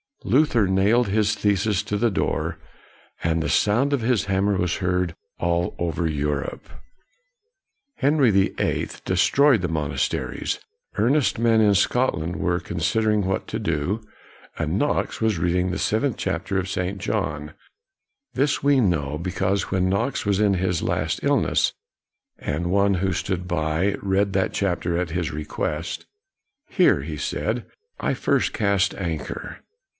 Luther nailed his theses to the door, and the sound of his hammer was heard all over Europe. Henry the Eighth destroyed the monasteries. Earnest men in Scotland were considering what to do. And Knox was reading the seventeenth chapter of St. John. This we know because when Knox was in his last illness, and one who stood by read that chapter at his request, " Here," he said, " I first cast anchor.''